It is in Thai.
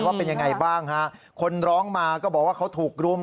ว่าเป็นยังไงบ้างฮะคนร้องมาก็บอกว่าเขาถูกรุม